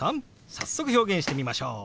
早速表現してみましょう！